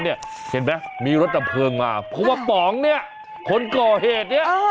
เห็นไหมมีรถดับเพลิงมาเพราะว่าป๋องเนี่ยคนก่อเหตุเนี่ย